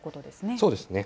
そうですね。